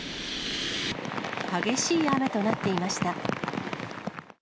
激しい雨となっていました。